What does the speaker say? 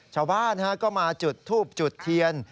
ชาวบ้านก็มาจุดทูบจุดเทียน